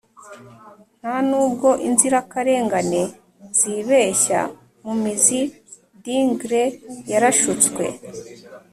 ntanubwo inzirakarengane zibeshya mu mizi dingle yarashutswe